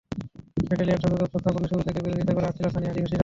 Battalion সদর দপ্তর স্থাপনের শুরু থেকেই বিরোধিতা করে আসছিল স্থানীয় আদিবাসীরা।